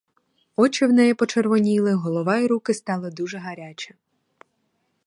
Очі в неї почервоніли, голова й руки стали дуже гарячі.